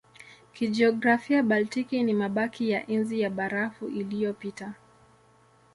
Kijiografia Baltiki ni mabaki ya Enzi ya Barafu iliyopita.